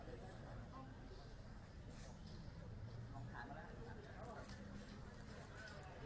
อันนี้มีเหตุการณ์ล้อมธรรมิเหตุครั้งหนึ่ง